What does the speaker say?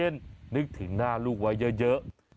นึกถึงหน้าลูกไว้เยอะ